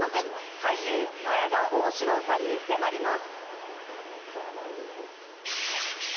俳優・前田旺志郎さんに迫ります。